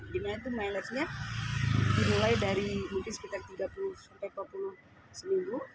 gimana itu mileage nya dimulai dari mungkin sekitar tiga puluh sampai empat puluh seminggu